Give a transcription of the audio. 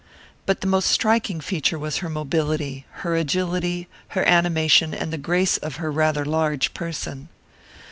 But the most striking feature was her mobility, her agility, her animation, and the grace of her rather large person.